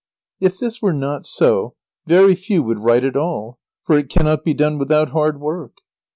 If this were not so, very few would write at all, for it cannot be done without hard work.